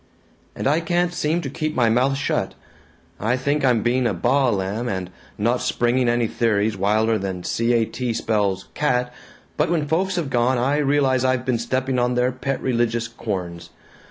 "And I can't seem to keep my mouth shut. I think I'm being a baa lamb, and not springing any theories wilder than 'c a t spells cat,' but when folks have gone, I re'lize I've been stepping on their pet religious corns.